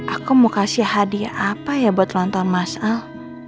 aku mau kasih hadiah apa ya buat lontar masal